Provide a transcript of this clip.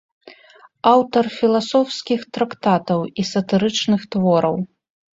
Аўтар філасофскіх трактатаў і сатырычных твораў.